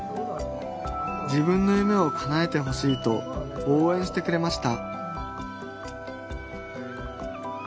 自分の夢をかなえてほしいとおうえんしてくれました